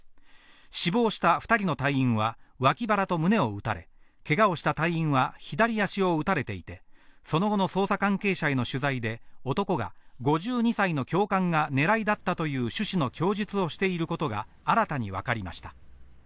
死亡した２人の隊員は脇腹と胸を撃たれ、けがをした隊員は左足を撃たれていて、その後の捜査関係者への取材で男が、５２歳の教官が狙いだったという趣旨の供述をしていることが新たにわかりました。